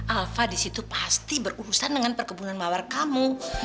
alpha di situ pasti berurusan dengan perkebunan mawar kamu